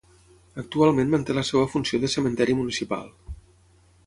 Actualment manté la seva funció de cementiri municipal.